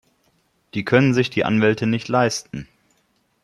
Die können sich die Anwälte nicht leisten.